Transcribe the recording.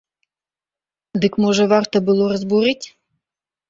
Дык можа варта было разбурыць?